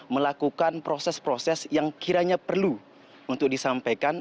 melakukan proses proses yang kiranya perlu untuk disampaikan